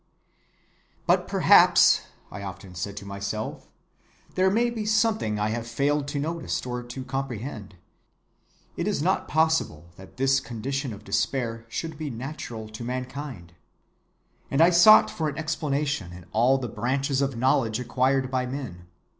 " 'But perhaps,' I often said to myself, 'there may be something I have failed to notice or to comprehend. It is not possible that this condition of despair should be natural to mankind.' And I sought for an explanation in all the branches of knowledge acquired by men.